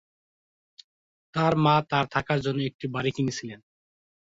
তার মা তার থাকার জন্য একটি বাড়ি কিনেছিলেন।